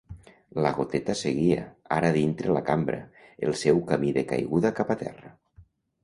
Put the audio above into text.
La goteta seguia, ara dintre la cambra, el seu camí de caiguda cap a terra.